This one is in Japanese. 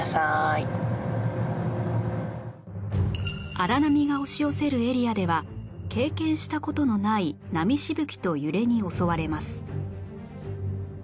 荒波が押し寄せるエリアでは経験した事のない波しぶきと揺れに襲われます